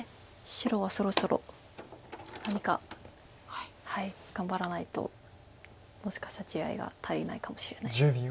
白はそろそろ何か頑張らないともしかしたら地合いが足りないかもしれない。